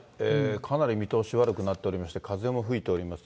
かなり見通し悪くなっておりまして、風も吹いております。